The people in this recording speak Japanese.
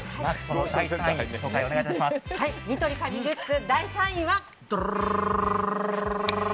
ニトリ神グッズ第３位は。